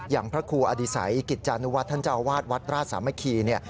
อย่างพระครูอดีศัยกิจจานุวัฒน์ท่านเจ้าวาสวัฒน์ราชสามะครี